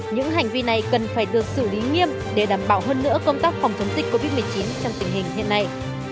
những hành vi này cần phải được xử lý nghiêm để đảm bảo hơn nữa công tác phòng chống dịch covid một mươi chín trong tình hình hiện nay